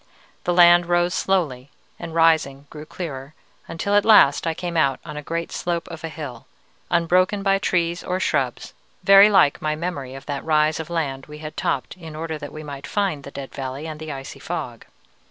The land rose slowly, and rising grew clearer, until at last I came out on a great slope of hill, unbroken by trees or shrubs, very like my memory of that rise of land we had topped in order that we might find the dead valley and the icy fog.